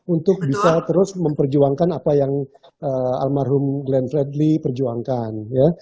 untuk bisa terus memperjuangkan apa yang almarhum glenn fredly perjuangkan ya